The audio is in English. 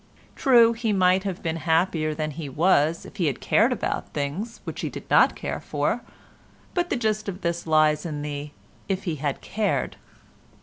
True, he might have been happier than he was if he had cared about things which he did not care for, but the gist of this lies in the "if he had cared."